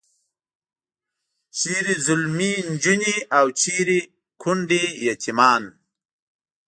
چیرې ځلمي نجونې او چیرې کونډې یتیمان.